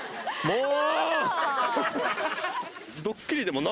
もう！